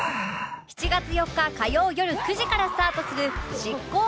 ７月４日火曜よる９時からスタートする『シッコウ！！